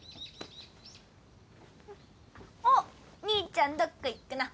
おっ兄ちゃんどっこ行っくの？